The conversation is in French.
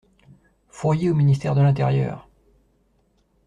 Fourier au ministère de l'Intérieur!